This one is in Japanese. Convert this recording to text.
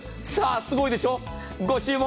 すごいでしょご注文